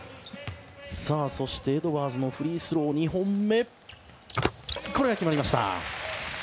エドワーズのフリースロー２本目は決まりました。